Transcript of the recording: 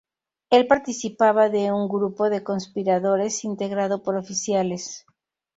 El participaba de un grupo de conspiradores integrado por oficiales.